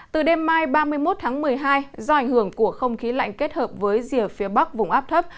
từ đêm mai ba mươi một tháng một mươi hai do ảnh hưởng của không khí lạnh kết hợp với rìa phía bắc vùng áp thấp